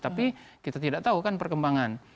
tapi kita tidak tahu kan perkembangan